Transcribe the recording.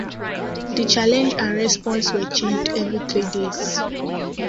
The challenge and response were changed every three days.